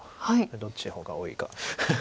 どっちの方が多いか。